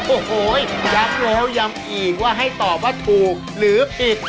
โอโหยัมโอะยัมอีกให้ตอบว่าถูกหรือผิด